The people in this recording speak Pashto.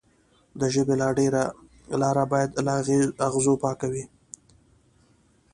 د ژبې لاره باید له اغزو پاکه وي.